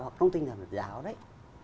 hoặc trong tinh thần phật giáo đấy